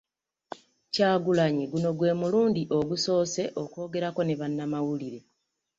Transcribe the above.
Kyagulanyi guno gwe mulundi ogusoose okwogerako ne bannamawulire